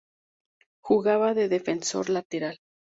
Jugaba de Defensor lateral.